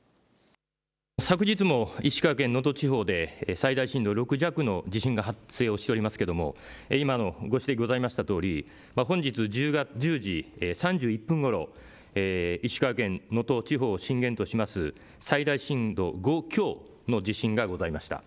昨日も石川県能登地方で最大震度６弱の地震が発生をしておりますけれども今、ご指摘ございましたように本日１０時３１分ごろ、石川県能登地方を震源とします最大震度５強の地震がございました。